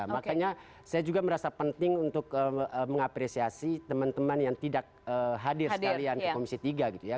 makanya saya juga merasa penting untuk mengapresiasi teman teman yang tidak hadir sekalian ke komisi tiga gitu ya